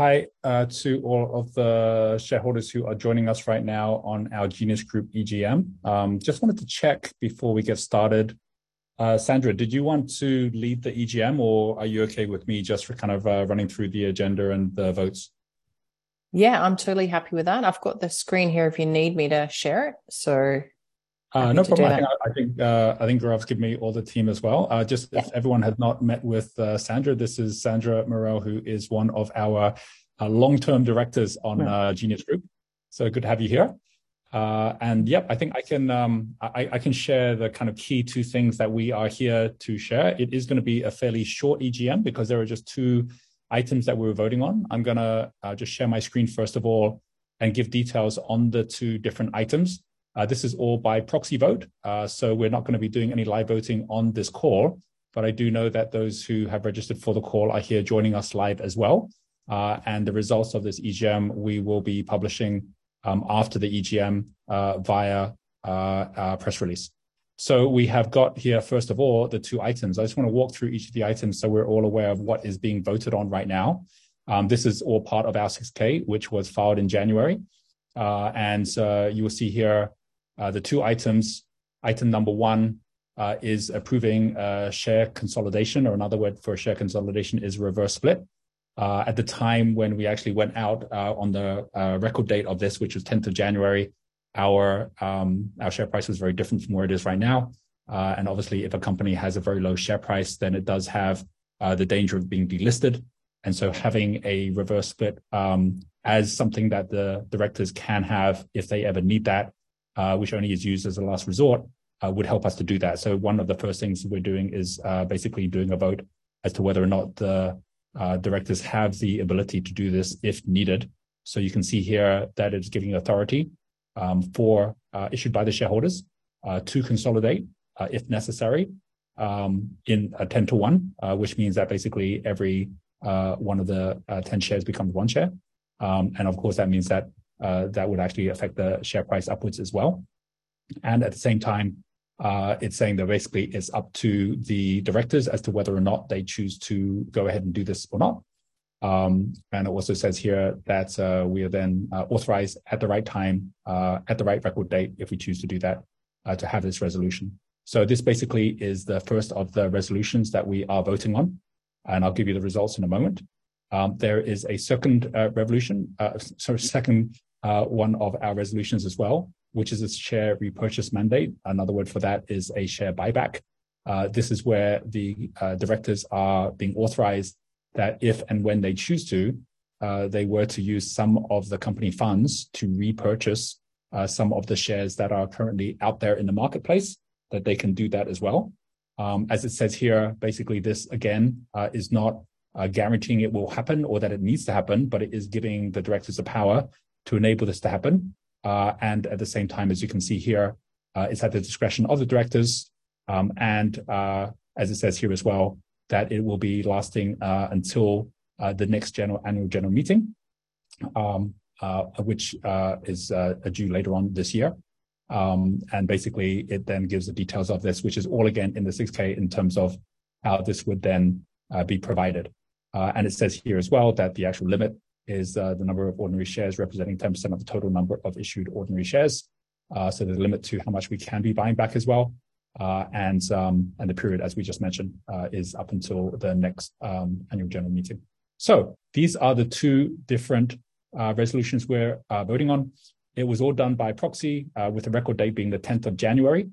Hi, to all of the shareholders who are joining us right now on our Genius Group EGM. Just wanted to check before we get started, Sandra, did you want to lead the EGM, or are you okay with me just for kind of, running through the agenda and the votes? Yeah, I'm totally happy with that. I've got the screen here if you need me to share it, so happy to do that. No problem. I think Gaurav's given me all the team as well. Yeah. Just if everyone has not met with Sandra, this is Sandra Murrell who is one of our long-term directors. Yeah Genius Group. Good to have you here. Yep, I think I can share the kind of key two things that we are here to share. It is gonna be a fairly short EGM because there are just two items that we're voting on. I'm gonna just share my screen first of all and give details on the two different items. This is all by proxy vote, we're not gonna be doing any live voting on this call. I do know that those who have registered for the call are here joining us live as well. The results of this EGM we will be publishing after the EGM via a press release. We have got here, first of all, the two items. I just wanna walk through each of the items so we're all aware of what is being voted on right now. This is all part of our 6-K which was filed in January. You will see here, the two items. Item number one, is approving, share consolidation, or another word for a share consolidation is reverse split. At the time when we actually went out, on the record date of this, which was 10th of January, our share price was very different from where it is right now. Obviously if a company has a very low share price, then it does have the danger of being delisted. Having a reverse split, as something that the directors can have if they ever need that, which only is used as a last resort, would help us to do that. One of the first things we're doing is basically doing a vote as to whether or not the directors have the ability to do this if needed. You can see here that it's giving authority for issued by the shareholders to consolidate if necessary, in a 10 to one, which means that basically every one of the 10 shares becomes one share. Of course that means that that would actually affect the share price upwards as well. At the same time, it's saying that basically it's up to the directors as to whether or not they choose to go ahead and do this or not. It also says here that we are then authorized at the right time, at the right record date if we choose to do that, to have this resolution. This basically is the first of the resolutions that we are voting on, and I'll give you the results in a moment. There is a second resolution, sorry, second one of our resolutions as well, which is a share repurchase mandate. Another word for that is a share buyback. This is where the directors are being authorized that if and when they choose to, they were to use some of the company funds to repurchase some of the shares that are currently out there in the marketplace, that they can do that as well. As it says here, basically this again, is not guaranteeing it will happen or that it needs to happen, but it is giving the directors the power to enable this to happen. At the same time, as you can see here, it's at the discretion of the directors. As it says here as well, that it will be lasting until the next general, annual general meeting, which is due later on this year. Basically it then gives the details of this, which is all again in the 6-K in terms of how this would then be provided. It says here as well that the actual limit is the number of ordinary shares representing 10% of the total number of issued ordinary shares. There's a limit to how much we can be buying back as well. The period, as we just mentioned, is up until the next annual general meeting. These are the two different resolutions we're voting on. It was all done by proxy, with the record date being the 10th of January.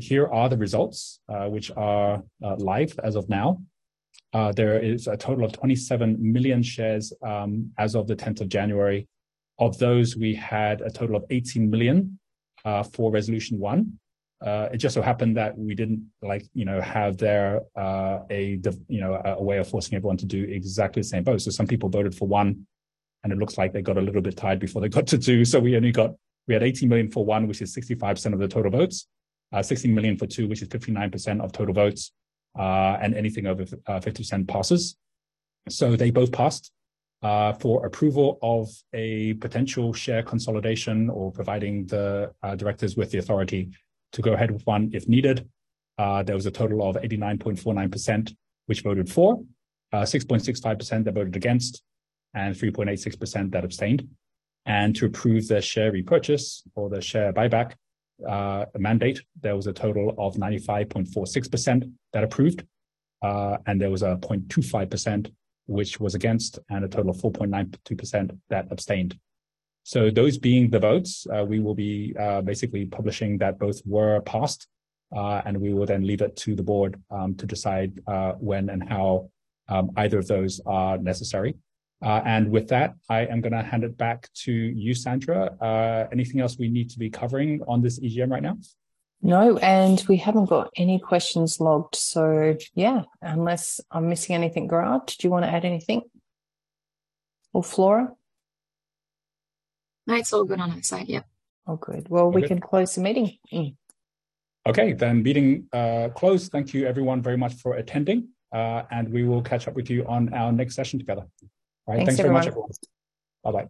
Here are the results, which are live as of now. There is a total of 27 million shares as of the 10th of January. Of those, we had a total of $18 million for resolution one. It just so happened that we didn't like, you know, have there a way of forcing everyone to do exactly the same vote. Some people voted for one, and it looks like they got a little bit tired before they got to two. We had $18 million for one, which is 65% of the total votes, $16 million for two, which is 59% of total votes, and anything over 50% passes. They both passed. For approval of a potential share consolidation or providing the directors with the authority to go ahead with one if needed, there was a total of 89.49% which voted for, 6.65% that voted against, and 3.86% that abstained. To approve the share repurchase or the share buyback, mandate, there was a total of 95.46% that approved, and there was a 0.25% which was against, and a total of 4.92% that abstained. Those being the votes, we will be basically publishing that both were passed, and we will then leave it to the board to decide when and how either of those are necessary. With that, I am gonna hand it back to you, Sandra. Anything else we need to be covering on this EGM right now? No, we haven't got any questions logged, so yeah, unless I'm missing anything. Gaurav, did you wanna add anything? Flora? No, it's all good on our side. Yep. All good. Very good. Well, we can close the meeting. Okay. Meeting closed. Thank you everyone very much for attending, and we will catch up with you on our next session together. All right. Thanks, everyone. Thanks very much, all. Bye-bye.